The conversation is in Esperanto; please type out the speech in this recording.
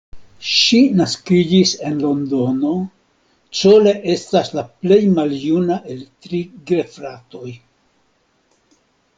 Ŝi naskiĝis en Londono, Cole estas la plej maljuna el tri gefratoj.